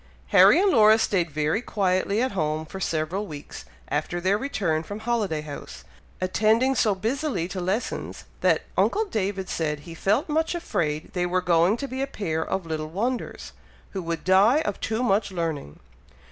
Harry and Laura stayed very quietly at home for several weeks after their return from Holiday House, attending so busily to lessons, that uncle David said he felt much afraid they were going to be a pair of little wonders, who would die of too much learning.